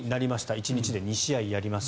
１日で２試合やります。